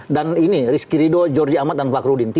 dan ini rizky ridho jordi ahmad dan fakhrudin